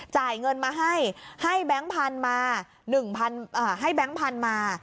จ่ายเงินมาให้ให้แบงค์พันธุ์มา